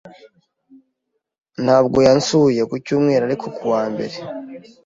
Ntabwo yansuye ku cyumweru ariko ku wa mbere.